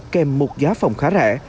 kèm một giá phòng khá rẻ